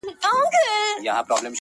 پښتون مېړه پر مرگ پېرزو کېږي، پر بني نه.